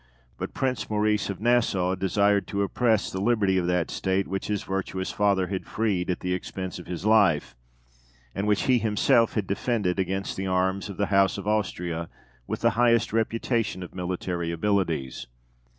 But Prince Maurice of Nassau desired to oppress the liberty of that State which his virtuous father had freed at the expense of his life, and which he himself had defended against the arms of the House of Austria with the highest reputation of military abilities.